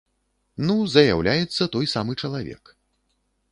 Ну, заяўляецца той самы чалавек.